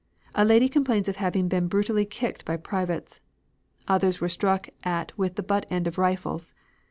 A lady complains of having been brutally kicked by privates. Others were struck at with the butt end of rifles.